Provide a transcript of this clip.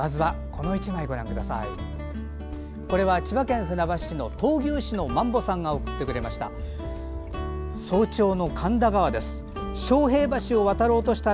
これは千葉県船橋市の闘牛士のマンボさんが送ってくれました。